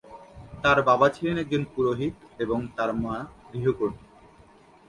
তার বাবা ছিলেন একজন পুরোহিত এবং তার মা গৃহকর্মী।